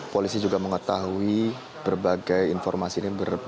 polisi juga mengetahui berbagai informasi yang telah anda sebutkan sebelumnya